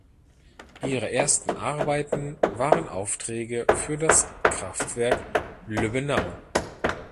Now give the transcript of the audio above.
Ihre ersten Arbeiten waren Aufträge für das Kraftwerk Lübbenau.